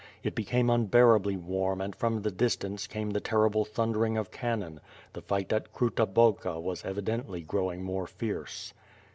It became unbearabl} warm and from the distance came the terrible thundering of cannon — ^the fight at Kruta Balka was evidently growing more fierce.